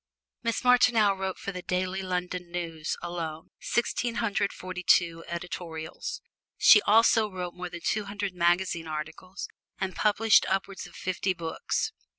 Miss Martineau wrote for the "Daily London News" alone, sixteen hundred forty two editorials. She also wrote more than two hundred magazine articles, and published upwards of fifty books.